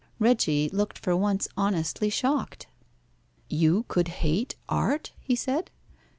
Reggie looked for once honestly shocked. "You could hate art?" he said.